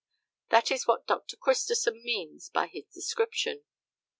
That is what Dr. Christison means by his description.